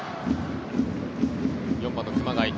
４番の熊谷。